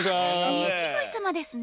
錦鯉様ですね。